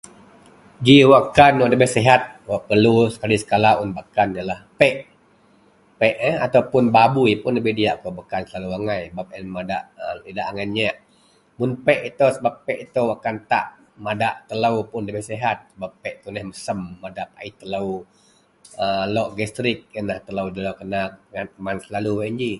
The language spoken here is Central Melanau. Ji wakkan wak ndabei sihat, wak perlu sekali sekala un bak kan yenlah pek, pek eh ataupun babui ndabei diyak kawak bak kan selalu angai sebab a yen madak idak angai nyeak. Mun pek itou sebab pek wakkan tak, madak telou pun ndabei sihat sebab pek yen tuneh mesem, madak pait telou aaa lok gastrik. Yenlah telou nda lkena keman selalu yen ji.